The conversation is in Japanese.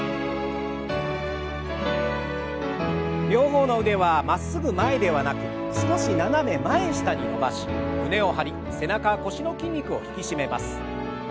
両方の腕はまっすぐ前ではなく少し斜め前下に伸ばし胸を張り背中腰の筋肉を引き締めます。